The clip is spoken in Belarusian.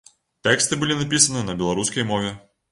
Тэксты былі напісаны на беларускай мове.